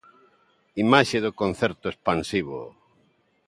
Imaxe do concerto expansivo.